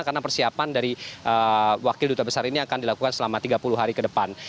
karena persiapan dari wakil duta besar ini akan dilakukan selama tiga puluh hari ke depan